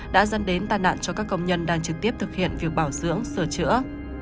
đã dân đến tai nạn cho các công nhân đang trực tiếp thực hiện việc bảo dưỡng sửa chữa